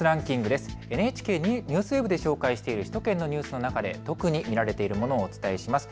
ＮＨＫＮＥＷＳＷＥＢで紹介している首都圏のニュースの中で特に見られているものをお伝えします。